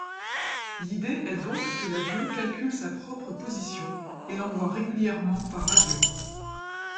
L'idée est donc que l'avion calcule sa propre position, et l'envoie régulièrement par radio.